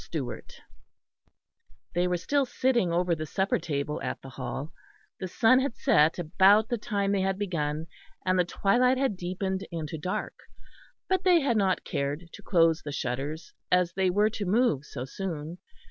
STEWART They were still sitting over the supper table at the Hall. The sun had set about the time they had begun, and the twilight had deepened into dark; but they had not cared to close the shutters as they were to move so soon.